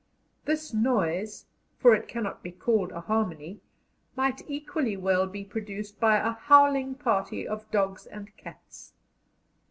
This noise for it cannot be called a harmony might equally well be produced by a howling party of dogs and cats.